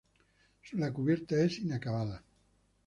La cubierta es inacabada.